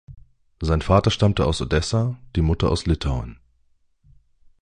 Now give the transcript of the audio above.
Sein Vater stammte aus Odessa, die Mutter aus Litauen.